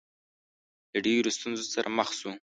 له ډېرو ستونزو سره مخ شو.